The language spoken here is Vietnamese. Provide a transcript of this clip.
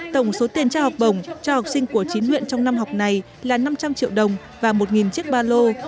tổng số tiền trao học bổng cho học sinh của chín huyện trong năm học này là năm trăm linh triệu đồng và một chiếc ba lô